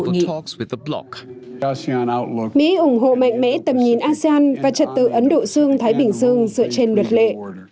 mỹ ủng hộ mạnh mẽ tầm nhìn asean và trật tự ấn độ dương thái bình dương dựa trên luật lệ